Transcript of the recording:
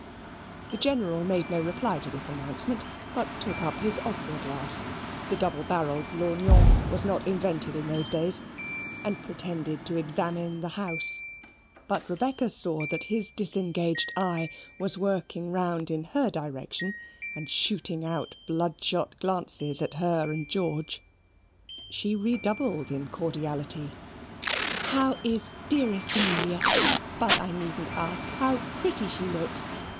The General made no reply to this announcement; but took up his opera glass the double barrelled lorgnon was not invented in those days and pretended to examine the house; but Rebecca saw that his disengaged eye was working round in her direction, and shooting out bloodshot glances at her and George. She redoubled in cordiality. "How is dearest Amelia? But I needn't ask: how pretty she looks!